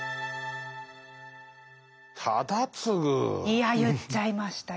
いや言っちゃいましたよ。